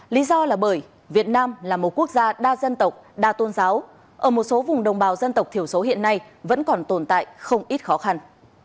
lý do là bởi việt nam là một quốc gia đa dân tộc đa tôn giáo ở một số vùng đồng bào dân tộc thiểu số hiện nay vẫn còn tồn tại không ít khó khăn